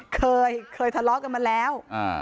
เคยเคยทะเลาะกันมาแล้ว